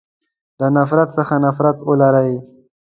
له نفرت څخه نفرت ولری.